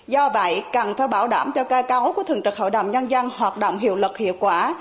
do vậy cần phải bảo đảm cho cây cáo của thường trực hội đồng nhân dân hoạt động hiệu lực hiệu quả